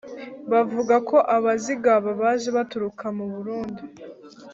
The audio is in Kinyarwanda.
bavuga ko abazigaba baje baturuka mu burundi